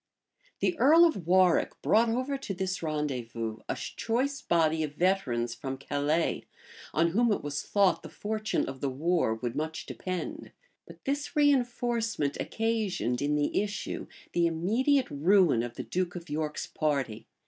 [*] The earl of Warwick brought over to this rendezvous a choice body of veterans from Calais, on whom, it was thought the fortune of the war would much depend; but this reënforcement occasioned, in the issue, the immediate ruin of the duke of York's party.